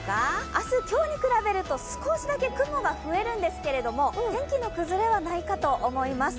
明日今日に比べると少しだけ雲が増えるんですが天気の崩れはないかと思います。